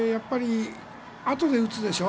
あとで打つでしょ。